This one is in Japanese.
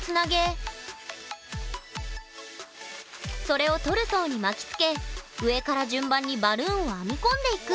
それをトルソーに巻きつけ上から順番にバルーンを編み込んでいく。